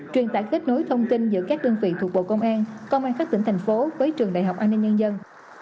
truyền tải kết nối thông tin giữa các đơn vị thuộc bộ công an công an các tỉnh thành phố với trường đại học an ninh nhân dân